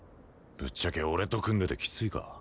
ぶっちゃけ俺と組んでてきついか？